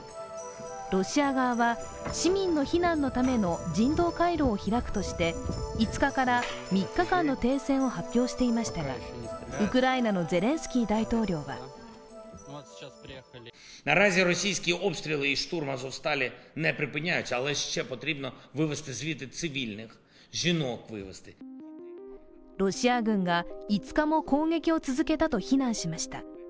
ロシア側は、市民の避難のための人道回廊を開くとして５日から３日間の停戦を発表していましたが、ウクライナのゼレンスキー大統領はロシア軍が５日も攻撃を続けたと非難しました。